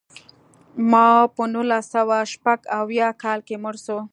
ماوو په نولس سوه شپږ اویا کال کې مړ شو.